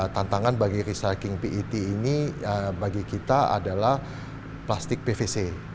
tantangan bagi recying pet ini bagi kita adalah plastik pvc